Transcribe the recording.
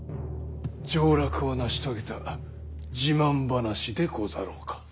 上洛を成し遂げた自慢話でござろうか？